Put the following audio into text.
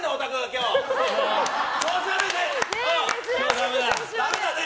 今日ダメだ。